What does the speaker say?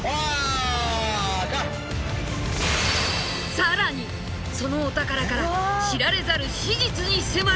更にそのお宝から知られざる史実に迫る。